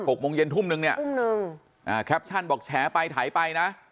โมงเย็นทุ่มนึงเนี่ยทุ่มหนึ่งอ่าแคปชั่นบอกแฉไปถ่ายไปนะ